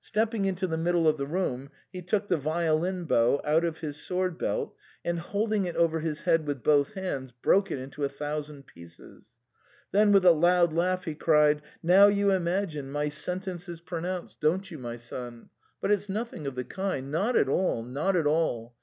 Stepping into the middle of the room, he took the violin bow out of his sword belt and, holding it over his head with both hands, broke it into a thousand pieces. Then, with a loud laugh, he cried> "Now you imagine my sentence is pronounced, THE CREMONA VIOLIN. 19 don't you, my son ? but it's nothing of the kind — not at all ! not at all